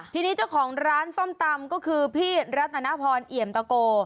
ทีนี้เจ้าของร้านส้มตำก็คือพี่รัตนพรเอี่ยมตะโก